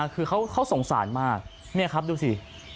คือเขาสงสารมากนี่ครับดูสิ